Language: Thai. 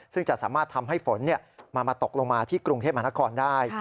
ซึ่งจะสามารถทำให้ฝนมาตกลงมาที่กรุงเทพมหานครได้